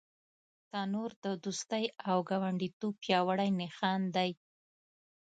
تنور د دوستۍ او ګاونډیتوب پیاوړی نښان دی